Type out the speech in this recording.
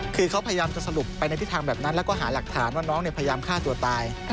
คือเขาพยายามจะสรุปไปในทิศทางแบบนั้นแล้วก็หาหลักฐานว่าน้องพยายามฆ่าตัวตาย